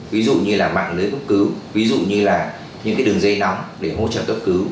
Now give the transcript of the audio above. ví dụ như là mạng lưới cấp cứu ví dụ như là những đường dây nóng để hỗ trợ cấp cứu